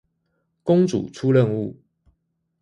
公主出任務